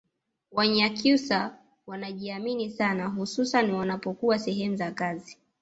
Wanyakyusa wanajiamini sana hususani wanapokuwa sehemu za kazi